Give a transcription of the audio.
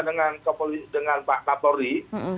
dengan pak kapolri